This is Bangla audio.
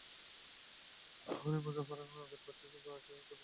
ওরই মধ্যে আগেকার মতো আজ একটু পারিপাট্য দেখতে পেলুম।